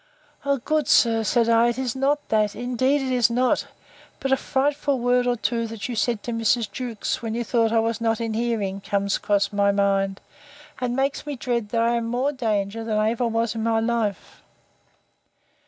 O good sir, said I, it is not that; indeed it is not: but a frightful word or two that you said to Mrs. Jewkes, when you thought I was not in hearing, comes cross my mind; and makes me dread that I am in more danger than ever I was in my life.